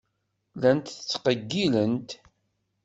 Llant ttqeyyilent.